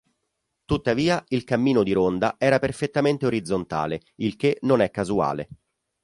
Tuttavia, il cammino di ronda era perfettamente orizzontale, il che non è casuale.